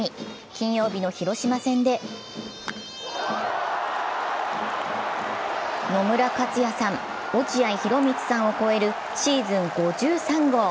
金曜日の広島戦で野村克也さん、落合博満さんを超えるシーズン５３号。